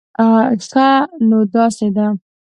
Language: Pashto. ښه، نو داسې ده